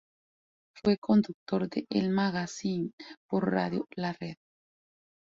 Fue conductor de "El Magazine" por Radio La Red.